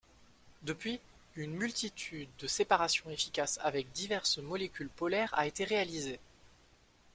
Depuis, une multitude de séparations efficaces avec diverses molécules polaire a été réalisée.